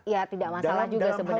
ya tidak masalah juga sebenarnya